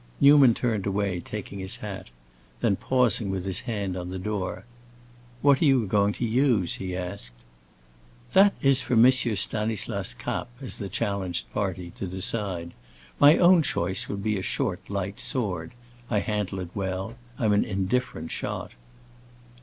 Newman turned away, taking his hat. Then pausing with his hand on the door, "What are you going to use?" he asked. "That is for M. Stanislas Kapp, as the challenged party, to decide. My own choice would be a short, light sword. I handle it well. I'm an indifferent shot."